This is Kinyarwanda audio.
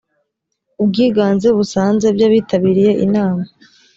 ubwiganze busanze by abitabiriye inama